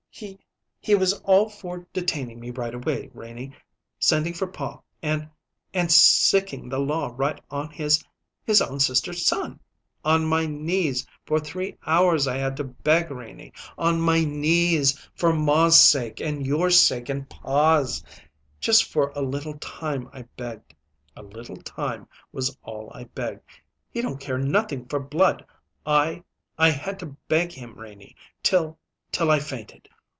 "He he was all for detaining me right away, Renie; sending for pa, and and sicking the law right on his his own sister's son. On my knees for three hours I had to beg, Renie on my knees, for ma's sake and your sake and pa's just for a little time I begged. A little time was all I begged. He don't care nothing for blood. I I had to beg him, Renie, till till I fainted."